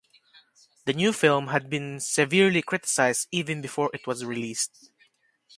the new film had been severely criticized even before it was released.